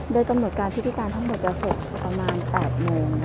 โดยกำหนดการที่ที่การทั้งหมดประสงค์ประมาณ๘โมงนะคะ